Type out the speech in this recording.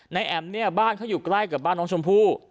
แอ๋มเนี่ยบ้านเขาอยู่ใกล้กับบ้านน้องชมพู่